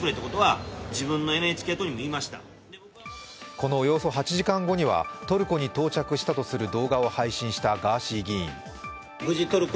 このおよそ８時間後にはトルコに到着したとする動画を配信しました。